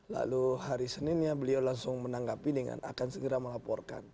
lalu hari seninnya beliau langsung menanggapi dengan akan segera melaporkan